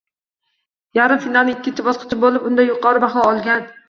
Yarim finalning ikki bosqichi bo‘lib, unda yuqori baho olgan